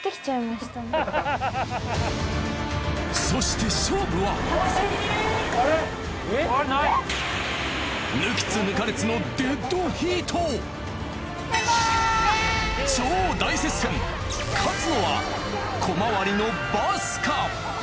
そして勝つのは小回りのバスか？